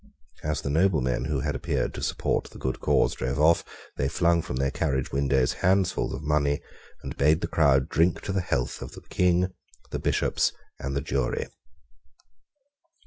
As the noblemen who had appeared to support the good cause drove off, they flung from their carriage windows handfuls of money, and bade the crowd drink to the health of the King, the Bishops, and the jury.